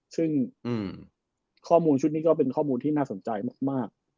ซึ่งข้อมูลชุดนี้ก็เป็นข้อมูลที่น่าสนใจมาก